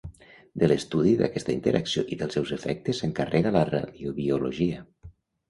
De l'estudi d'aquesta interacció i dels seus efectes s'encarrega la radiobiologia.